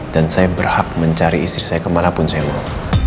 dan saya berhak mencari istri saya kemana pun saya mau